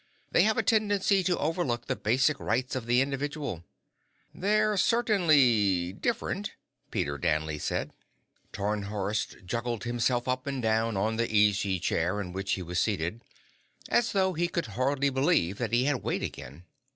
They have a tendency to overlook the basic rights of the individual." "They're certainly different," Peter Danley said. Tarnhorst juggled himself up and down on the easy chair in which he was seated, as though he could hardly believe that he had weight again.